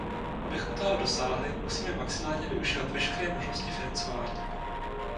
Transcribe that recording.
Abychom toho dosáhli, musíme maximálně využívat veškeré možnosti financování.